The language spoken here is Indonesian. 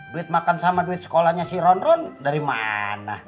duit makan sama duit sekolahnya si ron ron dari mana